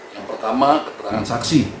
yang pertama keterangan saksi